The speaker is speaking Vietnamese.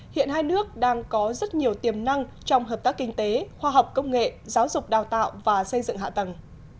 hiện hai nước đang có rất nhiều tiềm năng trong hợp tác kinh tế khoa học công nghệ giáo dục đào tạo và xây dựng hạ tầng